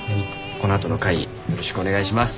この後の会議よろしくお願いします。